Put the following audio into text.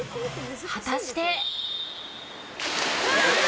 果たして。